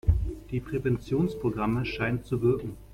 Die Präventionsprogramme scheinen zu wirken.